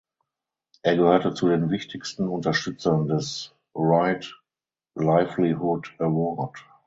Er gehörte zu den wichtigsten Unterstützern des Right Livelihood Award.